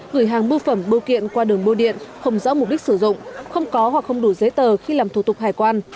gửi hàng bưu phẩm bưu kiện qua đường bưu điện không rõ mục đích sử dụng không có hoặc không đủ giấy tờ khi làm thủ tục hải quan